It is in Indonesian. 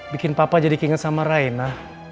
bikin papa jadi keinget sama raina